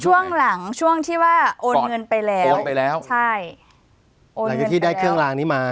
ช่วงหลังช่วงที่ว่าโอนเงินไปแล้วโอนไปแล้วใช่โอนหลังจากที่ได้เครื่องลางนี้มา